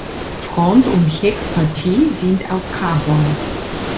Front- und Heckpartie sind aus Carbon.